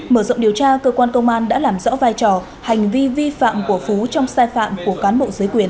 mở rộng điều tra cơ quan công an đã làm rõ vai trò hành vi vi phạm của phú trong sai phạm của cán bộ giới quyền